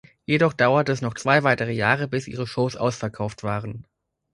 Jedoch dauerte es noch zwei weitere Jahre, bis ihre Shows ausverkauft waren.